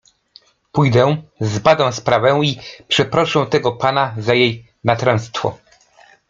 Pójdę, zbadam sprawę i przeproszę tego pana za jej natręctwo.